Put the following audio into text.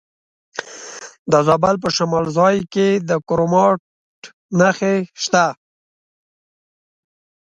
د زابل په شمولزای کې د کرومایټ نښې شته.